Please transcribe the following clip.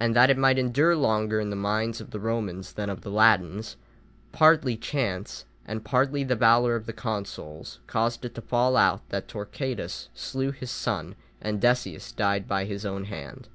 And that it might endure longer in the minds of the Romans than of the Latins, partly chance, and partly the valour of the consuls caused it to fall out that Torquatus slew his son, and Decius died by his own hand.